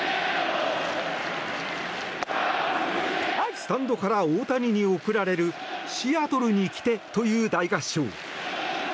スタンドから大谷に送られるシアトルに来てという大合唱。